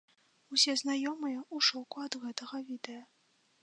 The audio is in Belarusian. Усе знаёмыя ў шоку ад гэтага відэа.